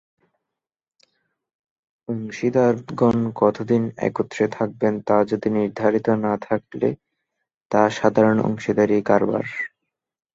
অংশীদারগণ কতদিন একত্রে থাকবেন তা যদি নির্ধারিত না থাকলে তা সাধারণ অংশীদারি কারবার।